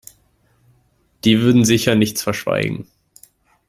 Die würden sicher nichts verschweigen.